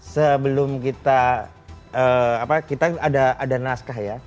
sebelum kita ada naskah ya